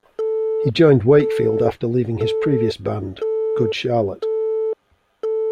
He joined Wakefield after leaving his previous band, Good Charlotte.